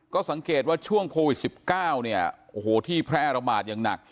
ก็สังเกตว่าช่วงโควิด๑๙เนี่ยโอ้โหที่แพร่ระบาดอย่างหนัก